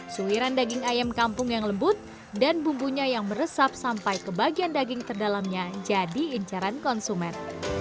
suiran daging ayam kampung yang lembut dan bumbunya yang meresap sampai ke bagian daging terdalamnya jadi incaran konsumen